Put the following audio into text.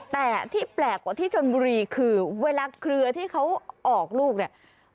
แต่ที่แปลกกว่าที่ชนบุรีคือเวลาเครือที่เขาออกลูกเนี่ย